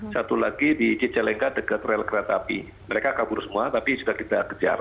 satu lagi di cicalengka dekat rel kereta api mereka kabur semua tapi sudah kita kejar